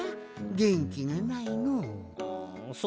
げんきがないのう。